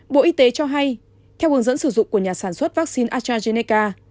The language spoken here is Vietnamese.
bộ y tế cho hay theo hướng dẫn sử dụng của nhà sản xuất vaccine astrazeneca